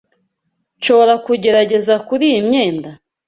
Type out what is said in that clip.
Nshobora kugerageza kuri iyi myenda?